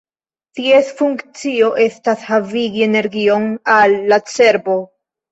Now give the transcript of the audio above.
Ties funkcio estas havigi energion al la cerbo.